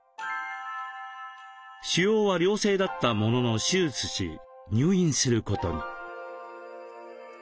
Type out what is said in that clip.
腫瘍は良性だったものの手術し入院することに。